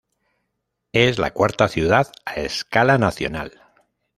Es la cuarta ciudad a escala nacional.